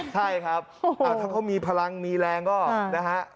ใช่ครับถ้าเขามีพลังมีแรงก็นะฮะ